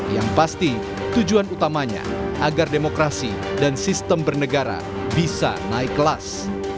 yang pasti tujuan utamanya agar demokrasi dan sistem bernegara bisa naik kelas